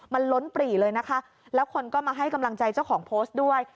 มันล้นปรีเลยนะคะแล้วคนก็มาให้กำลังใจเจ้าของโพสต์ด้วย